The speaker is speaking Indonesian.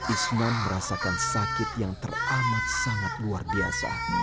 isnan merasakan sakit yang teramat sangat luar biasa